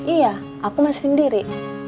iya aku masih sendiri